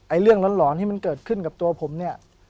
เรื่องหลอนที่มันเกิดขึ้นกับตัวผมเนี่ย